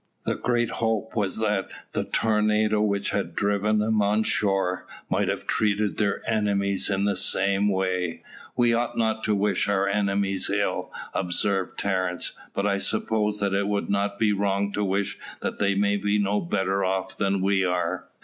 The great hope was that the tornado which had driven them on shore, might have treated their enemies in the same way. "We ought not to wish our enemies ill," observed Terence; "but I suppose that it would not be wrong to wish that they may be no better off than we are."